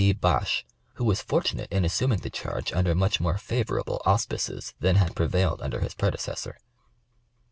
D. Bache, who was fortunate in assuming the charge under much more favorable auspices than had prevailed under his predecessor.